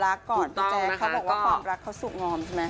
เขาบอกว่าความรักเขาสุขงอมใช่ไหม